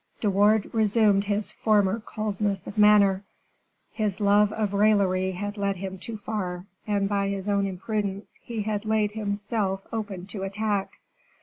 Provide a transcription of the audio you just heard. De Wardes resumed his former coldness of manner: his love of raillery had led him too far, and by his own imprudence, he had laid himself open to attack.